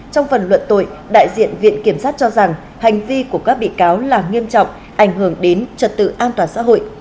trong phần luận tội đại diện viện kiểm sát cho rằng hành vi của các bị cáo là nghiêm trọng ảnh hưởng đến trật tự an toàn xã hội